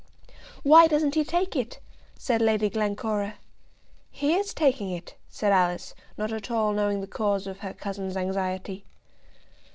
"Why doesn't he take it?" said Lady Glencora. "He is taking it," said Alice, not at all knowing the cause of her cousin's anxiety.